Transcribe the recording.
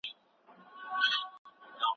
پلار مي وویل چي تل رښتیا ووایه.